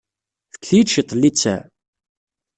Fket-iyi-d cwiṭ n littseɛ.